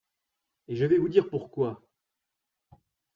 et je vais vous dire pourquoi.